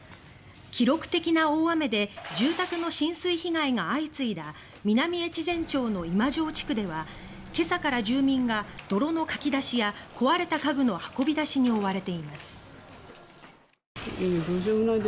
記録的な大雨で住宅の浸水被害が相次いだ南越前町の今庄地区では今朝から住民が泥のかき出しや、壊れた家具の運び出しに追われています。